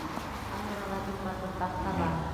Камерала бик матур тахта бар.